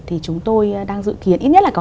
thì chúng tôi đang dự kiến ít nhất là có